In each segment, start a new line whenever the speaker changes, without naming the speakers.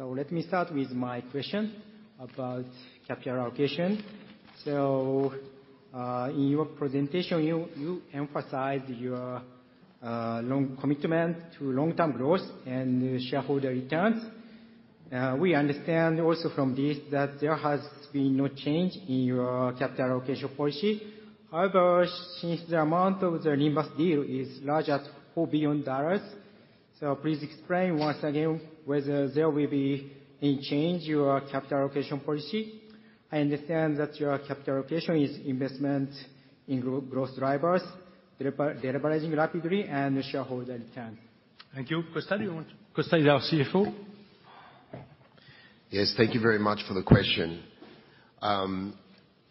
Let me start with my question about capital allocation. In your presentation, you emphasized your long commitment to long-term growth and shareholder returns. We understand also from this that there has been no change in your capital allocation policy. However, since the amount of the Nimbus deal is larger at $4 billion, so please explain once again whether there will be any change in your capital allocation policy. I understand that your capital allocation is investment in growth drivers, deleveraging rapidly, and shareholder returns.
Thank you. Costa, do you want? Costa is our CFO.
Yes, thank you very much for the question.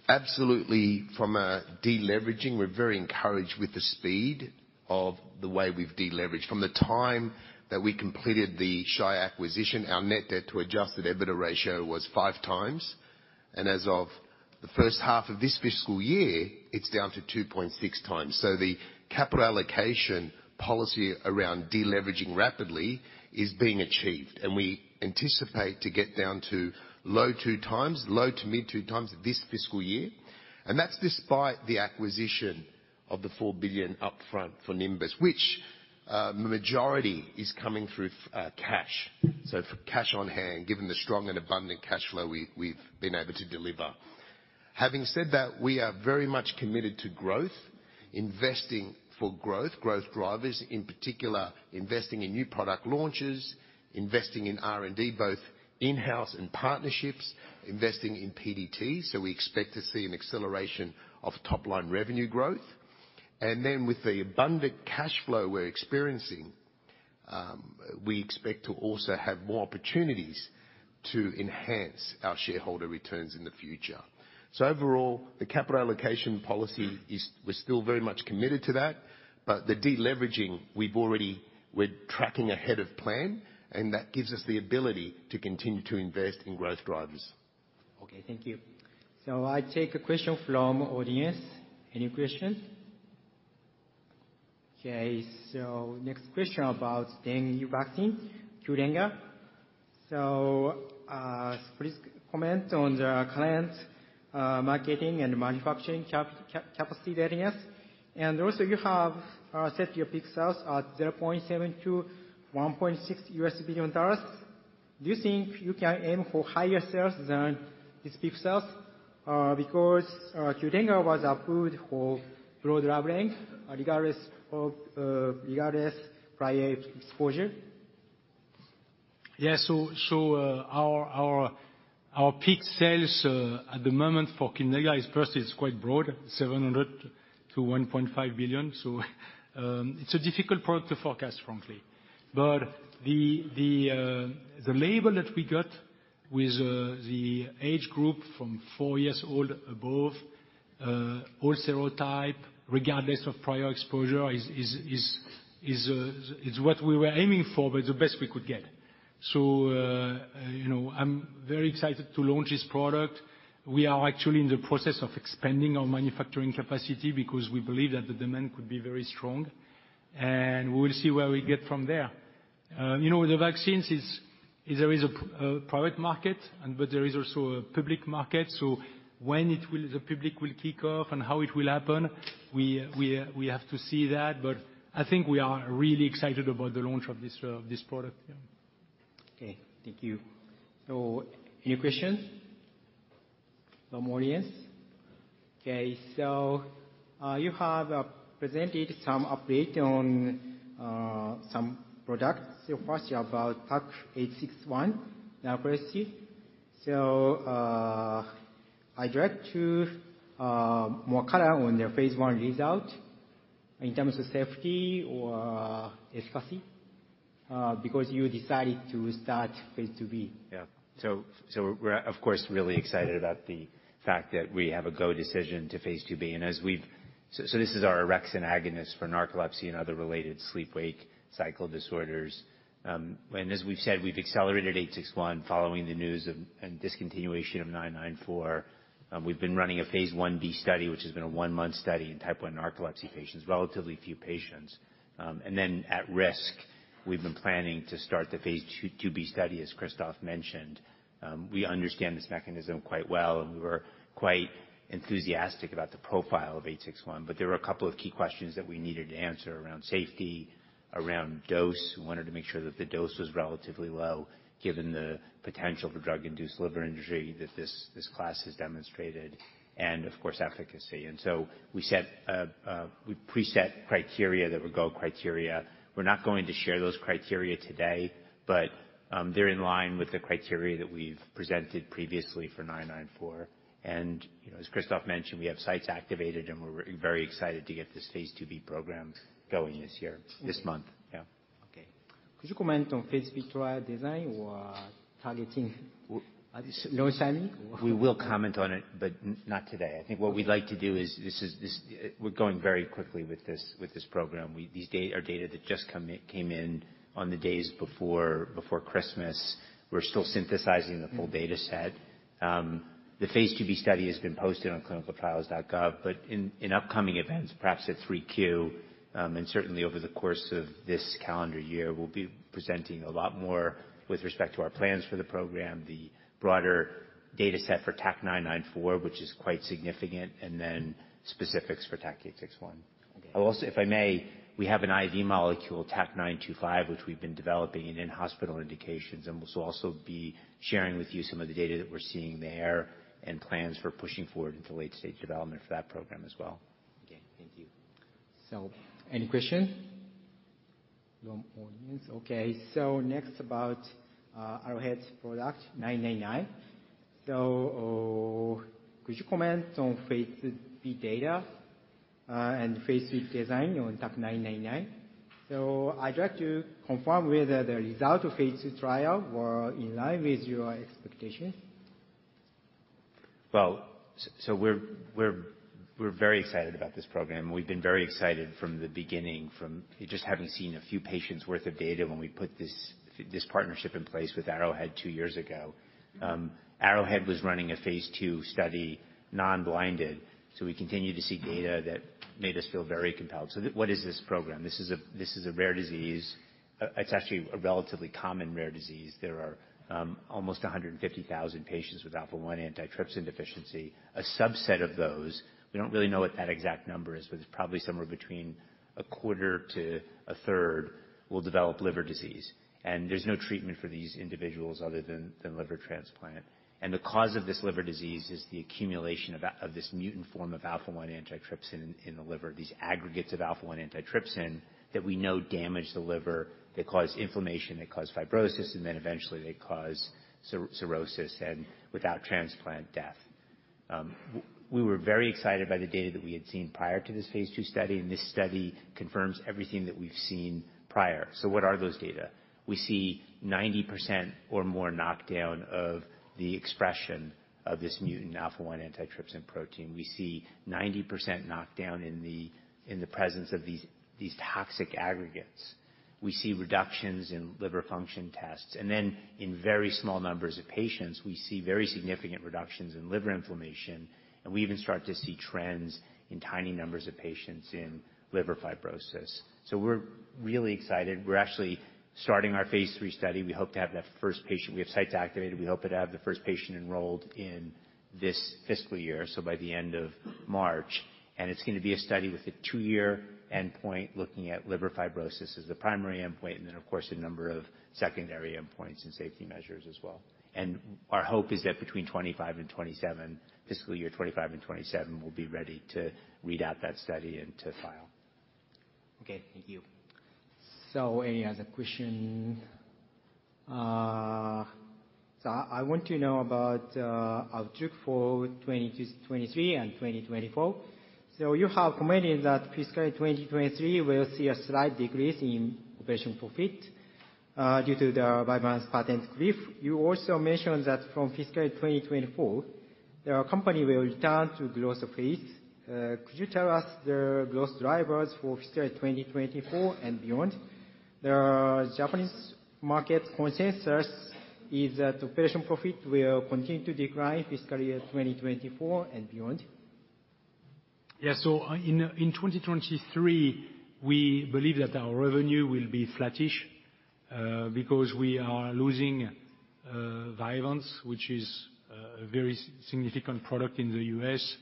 Absolutely, from a deleveraging, we're very encouraged with the speed of the way we've deleveraged. From the time that we completed the Shire acquisition, our net debt-to-adjusted EBITDA ratio was 5x, and as of the first half of this fiscal year, it's down to 2.6x. So the capital allocation policy around deleveraging rapidly is being achieved, and we anticipate to get down to low 2x, low to mid 2x this fiscal year. That's despite the acquisition of the $4 billion upfront for Nimbus, which, the majority is coming through, cash. So cash on hand, given the strong and abundant cash flow we've been able to deliver. Having said that, we are very much committed to growth, investing for growth, growth drivers, in particular investing in new product launches, investing in R&D, both in-house and partnerships, investing in PDT, so we expect to see an acceleration of top-line revenue growth, and then with the abundant cash flow we're experiencing, we expect to also have more opportunities to enhance our shareholder returns in the future, so overall, the capital allocation policy is, we're still very much committed to that, but the deleveraging, we've already, we're tracking ahead of plan, and that gives us the ability to continue to invest in growth drivers.
Okay, thank you. So I take a question from audience. Any questions? Okay, so next question about the new vaccine, QDENGA. So, please comment on the current marketing and manufacturing capacity readiness. And also, you have set your peak sales at $0.7 billion-$1.6 billion. Do you think you can aim for higher sales than these peak sales, because QDENGA was approved for broad labelling, regardless of prior exposure?
Yeah, so our peak sales at the moment for QDENGA is first it's quite broad $700 million-$1.5 billion. So it's a difficult product to forecast frankly. But the label that we got with the age group from four years old above all serotypes regardless of prior exposure is it's what we were aiming for but it's the best we could get. So you know I'm very excited to launch this product. We are actually in the process of expanding our manufacturing capacity because we believe that the demand could be very strong and we will see where we get from there. You know with the vaccines it's. There is a private market but there is also a public market. So when the public will kick off and how it will happen we have to see that. But I think we are really excited about the launch of this product.
Okay, thank you. So any questions from audience? Okay, so you have presented some update on some products. So first, you have TAK-861, the orexin. So I'd like more color on the phase I result in terms of safety or efficacy, because you decided to start phase II-B.
Yeah, so we're, of course, really excited about the fact that we have a go decision to phase II-B. And as we've said, this is our orexin agonists for narcolepsy and other related sleep-wake cycle disorders. We've accelerated 861 following the news of and discontinuation of 994. We've been running a phase I-B study, which has been a one-month study in type one narcolepsy patients, relatively few patients. And then at risk, we've been planning to start the phase II-B study, as Christophe mentioned. We understand this mechanism quite well, and we were quite enthusiastic about the profile of 861. But there were a couple of key questions that we needed to answer around safety, around dose. We wanted to make sure that the dose was relatively low, given the potential for drug-induced liver injury that this class has demonstrated, and of course, efficacy. So we set preset criteria that were go criteria. We're not going to share those criteria today, but they're in line with the criteria that we've presented previously for 994. You know, as Christophe mentioned, we have sites activated, and we're very excited to get this phase II-B program going this year, this month. Yeah.
Okay. Could you comment on phase III design or targeting dose setting?
We will comment on it, but not today. I think what we'd like to do is we're going very quickly with this program. These data just came in on the days before Christmas. We're still synthesizing the full data set. The phase II-B study has been posted on ClinicalTrials.gov, but in upcoming events, perhaps at 3Q, and certainly over the course of this calendar year, we'll be presenting a lot more with respect to our plans for the program, the broader data set for TAK-994, which is quite significant, and then specifics for TAK-861.
Okay.
I'll also, if I may, we have an IV molecule, TAK-925, which we've been developing in-hospital indications, and we'll also be sharing with you some of the data that we're seeing there and plans for pushing forward into late-stage development for that program as well.
Okay, thank you. So, any question? No audience. Okay, so next, about our lead product, 999. So, could you comment on phase III data, and phase III design on TAK-999? So, I'd like to confirm whether the result of phase II trial were in line with your expectations.
So we're very excited about this program. We've been very excited from the beginning, from just having seen a few patients' worth of data when we put this partnership in place with Arrowhead two years ago. Arrowhead was running a phase II study, non-blinded, so we continued to see data that made us feel very compelled. So what is this program? This is a rare disease. It's actually a relatively common rare disease. There are almost 150,000 patients with alpha-1 antitrypsin deficiency. A subset of those, we don't really know what that exact number is, but it's probably somewhere between a 1/4 to a 1/3 will develop liver disease. There's no treatment for these individuals other than liver transplant. And the cause of this liver disease is the accumulation of, of this mutant form of alpha-1 antitrypsin in the liver, these aggregates of alpha-1 antitrypsin that we know damage the liver. They cause inflammation, they cause fibrosis, and then eventually they cause cirrhosis and, without transplant, death. We were very excited by the data that we had seen prior to this phase II study, and this study confirms everything that we've seen prior, so what are those data? We see 90% or more knockdown of the expression of this mutant alpha-1 antitrypsin protein. We see 90% knockdown in the, in the presence of these, these toxic aggregates. We see reductions in liver function tests. And then in very small numbers of patients, we see very significant reductions in liver inflammation, and we even start to see trends in tiny numbers of patients in liver fibrosis, so we're really excited. We're actually starting our phase III study. We hope to have that first patient, we have sites activated. We hope to have the first patient enrolled in this fiscal year, so by the end of March, and it's going to be a study with a two-year endpoint looking at liver fibrosis as the primary endpoint, and then, of course, a number of secondary endpoints and safety measures as well, and our hope is that between 2025 and 2027, fiscal year 2025 and 2027, we'll be ready to read out that study and to file.
Okay, thank you. So any other question? So I want to know about the outlook for 2022, 2023, and 2024. So you have commented that fiscal year 2023 will see a slight decrease in operating profit, due to the Vyvanse patent cliff. You also mentioned that from fiscal year 2024, the company will return to growth phase. Could you tell us the growth drivers for fiscal year 2024 and beyond? The Japanese market consensus is that operating profit will continue to decline fiscal year 2024 and beyond.
Yeah, so in 2023, we believe that our revenue will be flattish, because we are losing Vyvanse, which is a very significant product in the U.S.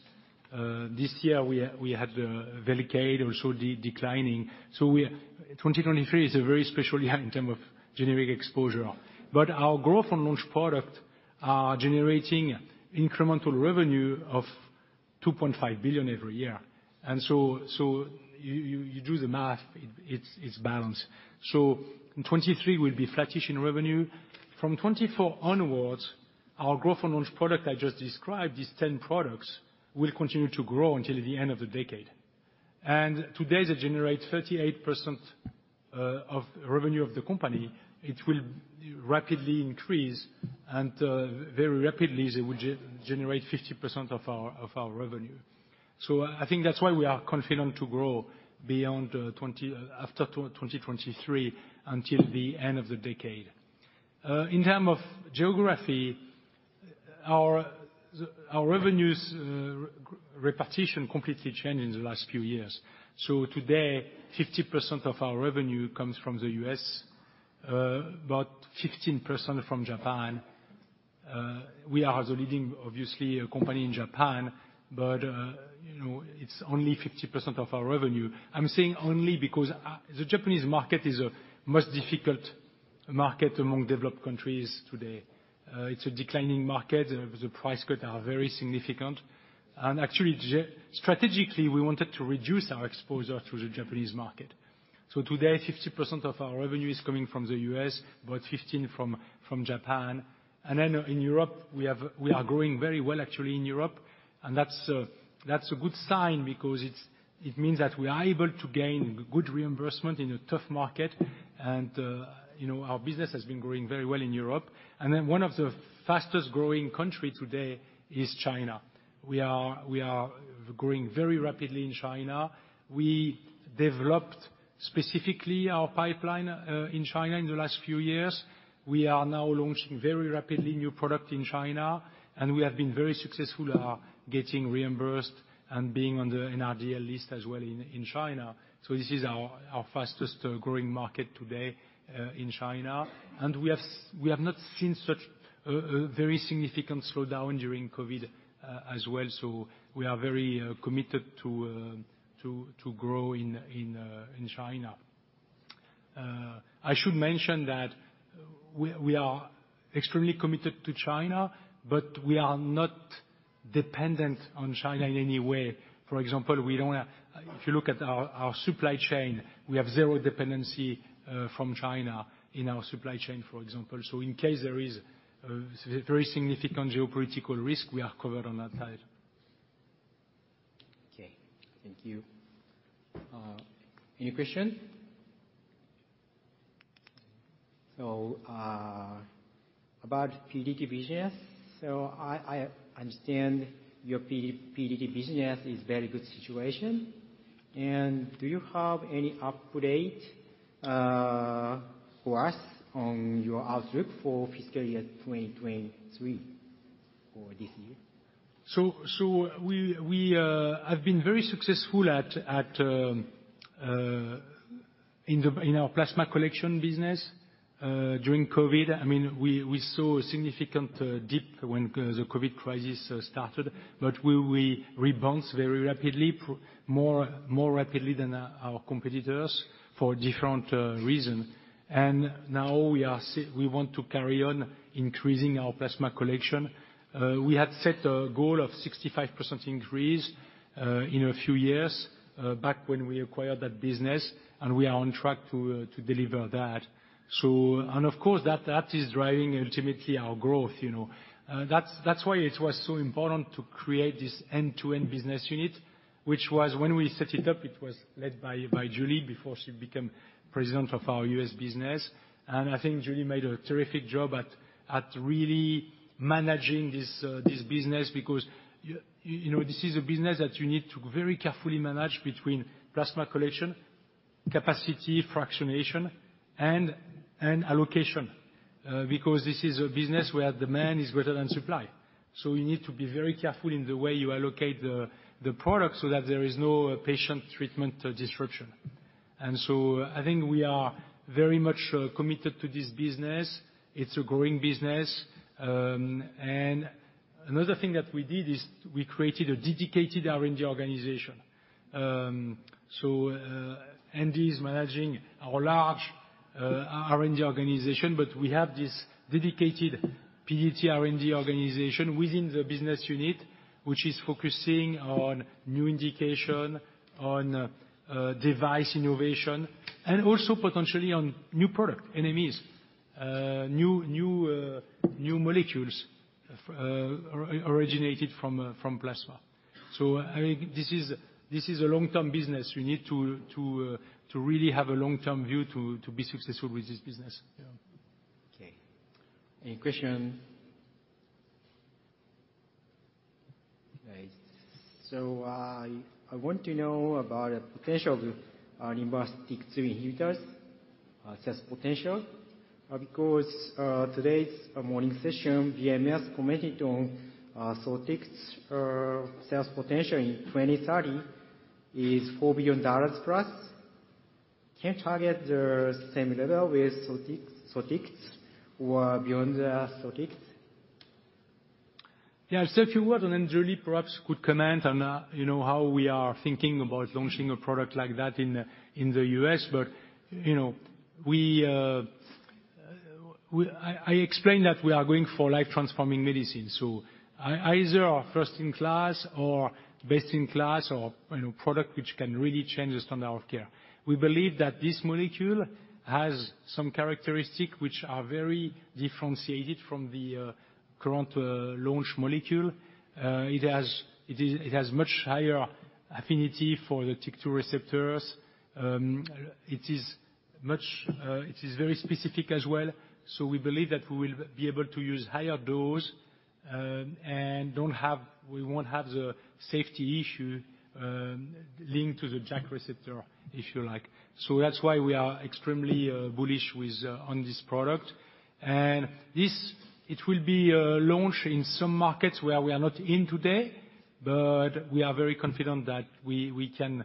This year, we had the Velcade also declining. So 2023 is a very special year in terms of generic exposure. But our Growth & Launch products are generating incremental revenue of $2.5 billion every year. And so you do the math, it's balanced. So 2023 will be flattish in revenue. From 2024 onwards, our Growth & Launch products I just described, these 10 products, will continue to grow until the end of the decade. And today, they generate 38% of revenue of the company. It will rapidly increase, and very rapidly, they would generate 50% of our revenue. So I think that's why we are confident to grow beyond 2020, after 2023, until the end of the decade. In terms of geography, our revenues repartition completely changed in the last few years. So today, 50% of our revenue comes from the U.S., about 15% from Japan. We are the leading, obviously, company in Japan, but, you know, it's only 15% of our revenue. I'm saying only because the Japanese market is the most difficult market among developed countries today. It's a declining market. The price cuts are very significant. And actually, strategically, we wanted to reduce our exposure to the Japanese market. So today, 50% of our revenue is coming from the U.S., about 15% from Japan. And then in Europe, we are growing very well, actually, in Europe. That's a good sign because it means that we are able to gain good reimbursement in a tough market. You know, our business has been growing very well in Europe. Then one of the fastest-growing countries today is China. We are growing very rapidly in China. We developed specifically our pipeline in China in the last few years. We are now launching very rapidly new product in China, and we have been very successful getting reimbursed and being on the NRDL list as well in China. So this is our fastest-growing market today in China. We have not seen such very significant slowdown during COVID, as well. So we are very committed to grow in China. I should mention that we are extremely committed to China, but we are not dependent on China in any way. For example, we don't have. If you look at our supply chain, we have zero dependency from China in our supply chain, for example. So in case there is a very significant geopolitical risk, we are covered on that side.
Okay, thank you. Any question? So, about PDT business. So I understand your PDT business is a very good situation. And do you have any update for us on your outlook for fiscal year 2023 or this year?
We have been very successful in our plasma collection business during COVID. I mean, we saw a significant dip when the COVID crisis started, but we rebounded very rapidly, more rapidly than our competitors for different reasons. And now we want to carry on increasing our plasma collection. We had set a goal of 65% increase in a few years back when we acquired that business, and we are on track to deliver that. And of course, that is driving ultimately our growth, you know. That's why it was so important to create this end-to-end business unit, which, when we set it up, was led by Julie before she became president of our U.S. Business. I think Julie made a terrific job at really managing this business because, you know, this is a business that you need to very carefully manage between plasma collection, capacity, fractionation, and allocation, because this is a business where the demand is greater than supply. So you need to be very careful in the way you allocate the product so that there is no patient treatment disruption. And so I think we are very much committed to this business. It's a growing business. Another thing that we did is we created a dedicated R&D organization. Andy is managing our large R&D organization, but we have this dedicated PDT R&D organization within the Business unit, which is focusing on new indication, device innovation, and also potentially on new product NMEs, new molecules originated from plasma. I think this is a long-term business. We need to really have a long-term view to be successful with this business. Yeah.
Okay. Any question? Nice. So, I want to know about the potential of TYK2 inhibitors, sales potential, because today's morning session, BMS commented on Sotyktu sales potential in 2030 is $4 billion+. Can you target the same level with Sotyktu, Sotyktu, or beyond the Sotyktu?
Yeah, I'll say a few words, and then Julie perhaps could comment on, you know, how we are thinking about launching a product like that in, in the U.S. But, you know, we explained that we are going for life-transforming medicine. So either first-in-class or best-in-class or, you know, product which can really change the standard of care. We believe that this molecule has some characteristics which are very differentiated from the current launch molecule. It has much higher affinity for the TYK2 receptors. It is very specific as well. So we believe that we will be able to use higher dose, and we won't have the safety issue linked to the JAK receptor, if you like. So that's why we are extremely bullish on this product. This will be launched in some markets where we are not in today, but we are very confident that we can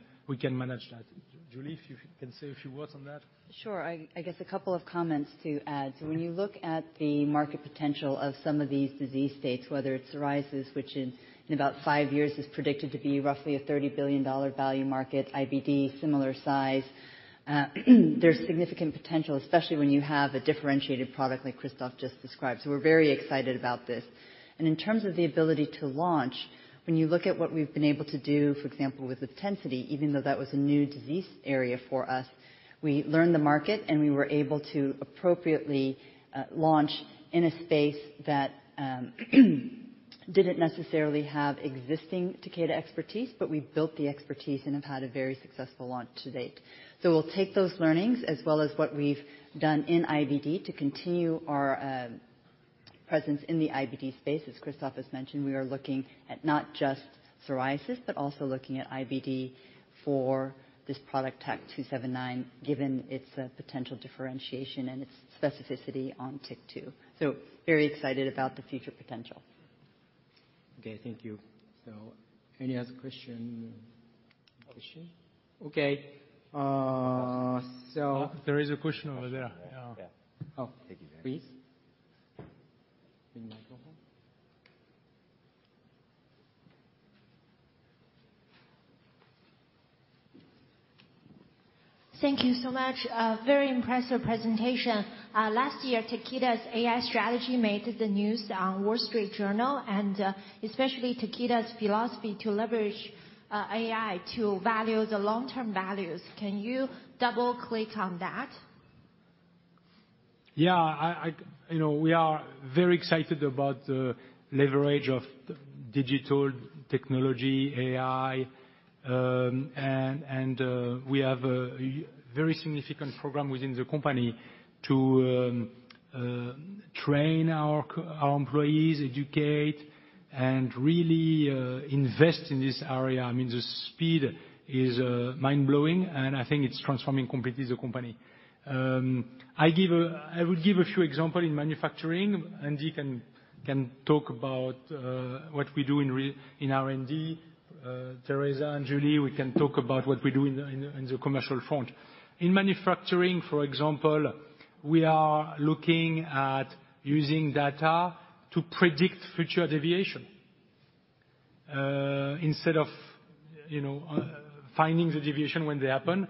manage that. Julie, if you can say a few words on that.
Sure. I guess a couple of comments to add. So when you look at the market potential of some of these disease states, whether it's psoriasis, which in about five years is predicted to be roughly a $30 billion value market, IBD, similar size, there's significant potential, especially when you have a differentiated product like Christophe just described. So we're very excited about this. And in terms of the ability to launch, when you look at what we've been able to do, for example, with the LIVTENCITY, even though that was a new disease area for us, we learned the market, and we were able to appropriately launch in a space that didn't necessarily have existing Takeda expertise, but we built the expertise and have had a very successful launch to date. We'll take those learnings as well as what we've done in IBD to continue our presence in the IBD space. As Christophe has mentioned, we are looking at not just psoriasis, but also looking at IBD for this product TAK-279, given its potential differentiation and its specificity on TYK2. Very excited about the future potential.
Okay, thank you. So any other question?
Question?
Okay. so.
There is a question over there. Yeah.
Yeah. Oh, thank you very much. Please. In microphone. Thank you so much. Very impressive presentation. Last year, Takeda's AI strategy made the news in The Wall Street Journal, and especially Takeda's philosophy to leverage AI to value the long-term values. Can you double-click on that?
Yeah, you know, we are very excited about the leverage of digital technology, AI, and we have a very significant program within the company to train our employees, educate, and really invest in this area. I mean, the speed is mind-blowing, and I think it's transforming completely the company. I would give a few examples in manufacturing. Andy can talk about what we do in R&D. Teresa and Julie, we can talk about what we do in the commercial front. In manufacturing, for example, we are looking at using data to predict future deviation. Instead of, you know, finding the deviation when they happen,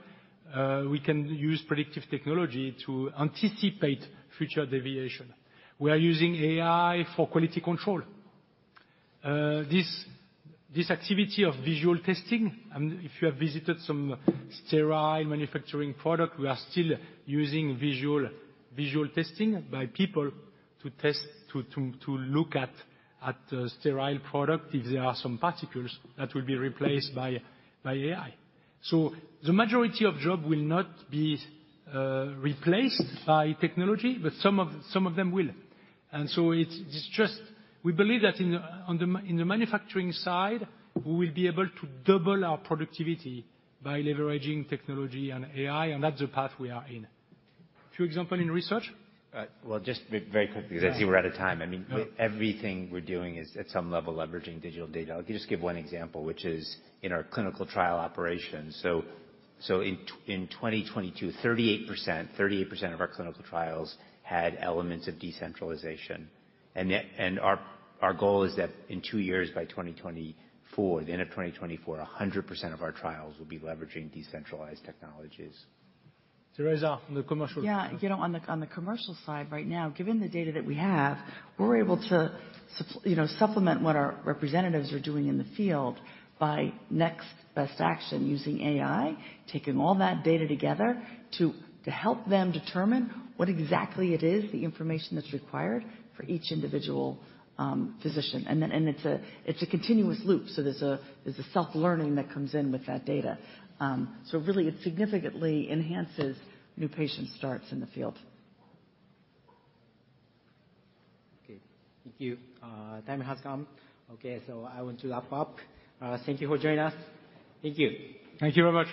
we can use predictive technology to anticipate future deviation. We are using AI for quality control. This activity of visual testing, if you have visited some sterile manufacturing product, we are still using visual testing by people to test, to look at sterile product if there are some particles that will be replaced by AI. So the majority of jobs will not be replaced by technology, but some of them will. And so it's just we believe that in the manufacturing side, we will be able to double our productivity by leveraging technology and AI, and that's the path we are in. A few examples in research?
Just very quickly because I see we're out of time. I mean, everything we're doing is, at some level, leveraging digital data. I can just give one example, which is in our clinical trial operations. So in 2022, 38% of our clinical trials had elements of decentralization. Our goal is that in two years, by 2024, the end of 2024, 100% of our trials will be leveraging decentralized technologies.
Teresa, on the commercial side.
Yeah, you know, on the commercial side right now, given the data that we have, we're able to supplement what our representatives are doing in the field by next best action using AI, taking all that data together to help them determine what exactly it is, the information that's required for each individual physician. And then, it's a continuous loop. So there's a self-learning that comes in with that data. So really, it significantly enhances new patient starts in the field.
Okay. Thank you. The time has come. Okay, so I want to wrap up. Thank you for joining us. Thank you.
Thank you, everyone.